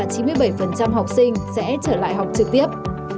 chín mươi bảy học sinh sẽ trở lại học trực tiếp